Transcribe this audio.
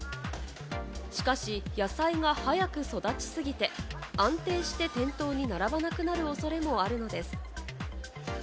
しかし野菜が早く育ちすぎて、安定して店頭に並ばなくなる恐れもあるのです。